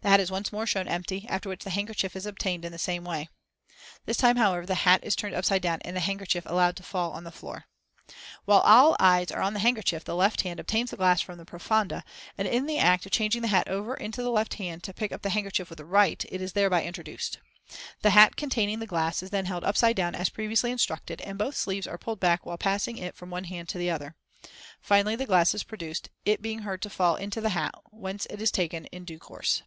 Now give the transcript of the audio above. The hat is once more shown empty after which the handkerchief is obtained in the same way. This time, however, the hat is turned upside down and the handkerchief allowed to fall on the floor. While all eyes are on the handkerchief the left hand obtains the glass from the profonde, and in the act of changing the hat over into the left hand to pick up the handkerchief with the right, it is thereby introduced. The hat containing the glass is then held upside down as previously instructed, and both sleeves are pulled back while passing it from one hand to the other. Finally the glass is produced, it being heard to fall into the hat, whence it is taken in due course.